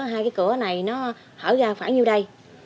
hai cái cửa này nó hở ra phản như đây